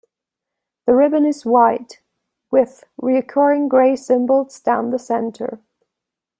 The ribbon is white, with recurring grey symbols down the centre.